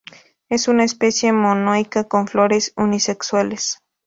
Es una especie monoica con flores unisexuales.